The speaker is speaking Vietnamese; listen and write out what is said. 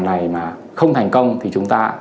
này mà không thành công thì chúng ta